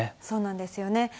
そうなんですよね。